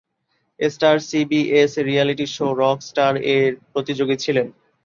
Star CBS এর reality show "rock star" এর প্রতিযোগী ছিলেন।